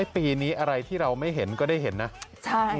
ปีนี้อะไรที่เราไม่เห็นก็ได้เห็นนะ